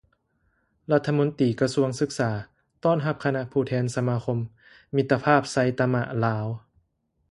ລັດຖະມົນຕີກະຊວງສຶກສາ ຕ້ອນຮັບຄະນະຜູ້ແທນສະມາຄົມ ມິດຕະພາບໄຊຕະມະລາວ